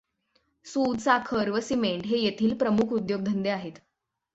सुत, साखर व सिमेंट हे येथील प्रमुख उद्योगधंदे आहेत.